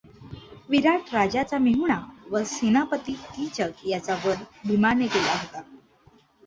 विराट राजाचा मेहुणा व सेनापती कीचक याचा वध भिमाने केला होता.